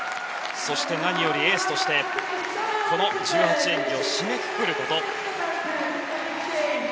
そして、何よりエースとしてこの１８演技を締めくくること。